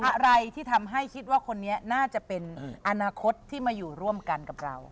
อะไรที่ทำให้คิดว่าคนนี้น่าจะเป็นอนาคตที่มาอยู่ร่วมกันกับเรา